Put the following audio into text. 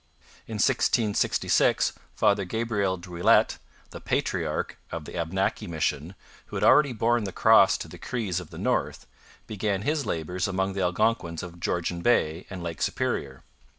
In 1666 Father Gabriel Druillettes, 'the patriarch' of the Abnaki mission, who had already borne the Cross to the Crees of the north, began his labours among the Algonquins of Georgian Bay and Lake Superior.